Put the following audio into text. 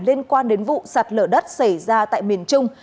liên quan đến vụ sạt lở đất xảy ra tại miền trung